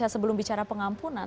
sebelum bicara pengampunan